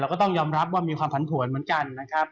ก็ต้องยอมรับว่ามีความผันผวนเหมือนกันนะครับ